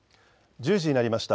１０時になりました。